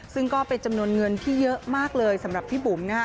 ซึ่งก็เป็นจำนวนเงินที่เยอะมากเลยสำหรับพี่บุ๋มนะคะ